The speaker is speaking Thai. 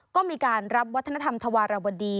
ก็มีการรับวัฒนธรรมธวารวดี